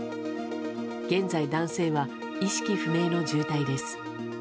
現在、男性は意識不明の重体です。